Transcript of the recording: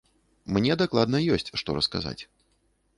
Мне дакладна ёсць, што расказаць.